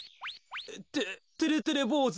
っててれてれぼうず？